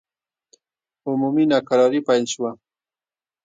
عمومي ناکراري پیل شوه.